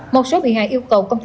một số bị hại yêu cầu công ty